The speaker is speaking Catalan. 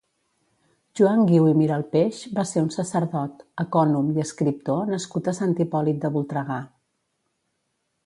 Joan Guiu i Miralpeix va ser un sacerdot, ecònom i escriptor nascut a Sant Hipòlit de Voltregà.